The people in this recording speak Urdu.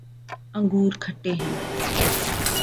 انگور کھٹے ہیں